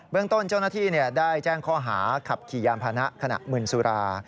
เรื่องต้นเจ้าหน้าที่ได้แจ้งข้อหาขับขี่ยานพานะขณะมืนสุรา